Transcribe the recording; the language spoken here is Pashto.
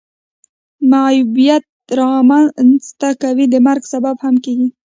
معیوبیت را منځ ته کوي د مرګ سبب هم کیږي.